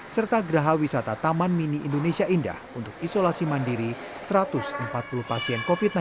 serta geraha wisata taman mini indonesia indah untuk isolasi mandiri satu ratus empat puluh pasien covid sembilan belas